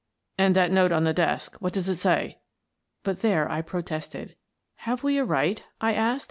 "And that note on the desk — what does it say?" But there I protested. " Have we a right? " I asked.